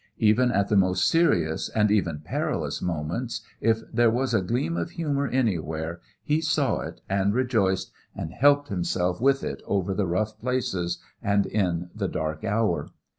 Even at the most serious and even perilous moments if there was a gleam of humor anywhere he saw it and rejoiced and helped himself with it over the rough places and in the dark hour.